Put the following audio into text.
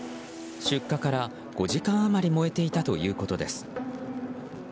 出火から５時間余り燃えていたということです。